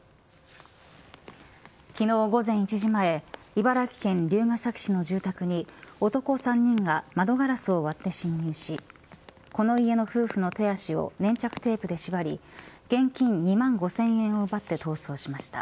昨日、午前１時前茨城県龍ケ崎市の住宅に男３人が窓ガラスを割って侵入しこの家の夫婦の手足を粘着テープで縛り現金２万５０００円を奪って逃走しました。